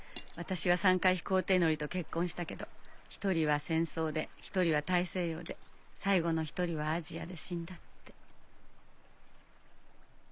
私は３回飛行艇乗りと結婚したけど１人は戦争で１人は大西洋で最後の１人はアジアで死んだって。